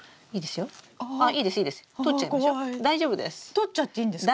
取っちゃっていいんですか？